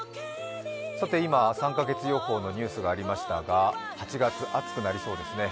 さて今、３か月予報のニュースがありましたが８月、暑くなりそうですね。